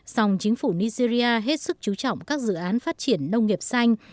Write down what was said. song chính phủ nigeria hết sức chú trọng các dự án phát triển nông nghiệp xanh